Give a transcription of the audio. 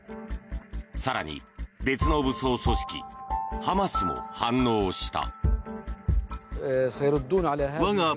更に、別の武装組織ハマスも反応した。